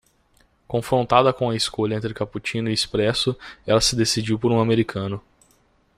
Confrontada com a escolha entre cappuccino e espresso, ela se decidiu por um americano.